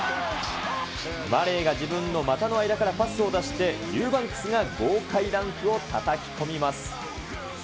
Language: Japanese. マレーが自分の股の間からパスを出して、ユーバンクスが豪快ダンクをたたき込みます。